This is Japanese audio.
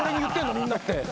みんなって。